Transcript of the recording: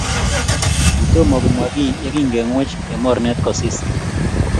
Kitomo komwakiy yekingengwech eng mornet kosis